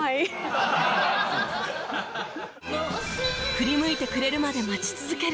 振り向いてくれるまで待ち続ける